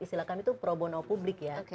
istilahkan itu pro bono publik ya